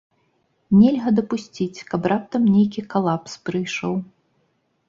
Нельга дапусціць, каб раптам нейкі калапс прыйшоў.